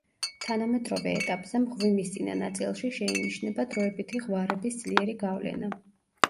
თანამედროვე ეტაპზე მღვიმის წინა ნაწილში შეინიშნება დროებითი ღვარების ძლიერი გავლენა.